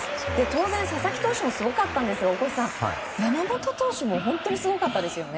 当然、佐々木投手もすごかったんですが大越さん、山本投手も本当にすごかったですね。